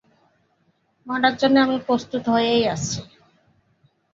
মরার জন্য আমি প্রস্তুত হয়েই আছি।